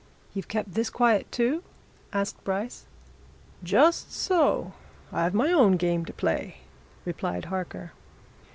"You've kept this quiet, too?" asked Bryce. "Just so I've my own game to play," replied Harker.